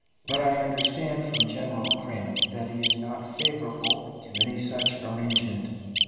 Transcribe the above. But I understand from General Grant that he is not favorable to any such arrangement.